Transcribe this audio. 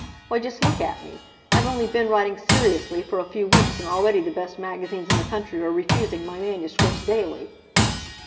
Why, just look at me! I've only been writing seriously for a few weeks, and already the best magazines in the country are refusing my manuscripts daily."